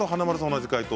同じ解答。